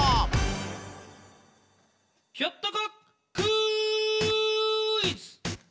ひょっとこクイズ！